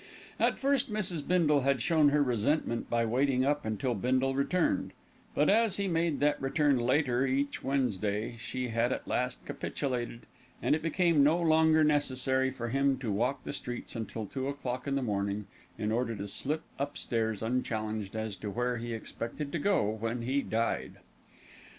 At first Mrs. Bindle had shown her resentment by waiting up until Bindle returned; but as he made that return later each Wednesday, she had at last capitulated, and it became no longer necessary for him to walk the streets until two o'clock in the morning, in order to slip upstairs unchallenged as to where he expected to go when he died.